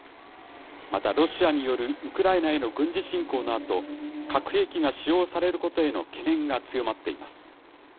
また、ロシアによるウクライナへの軍事侵攻のあと、核兵器が使用されることへの懸念が強まっています。